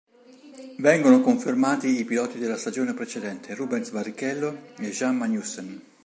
Vengono confermati i piloti della stagione precedente, Rubens Barrichello e Jan Magnussen.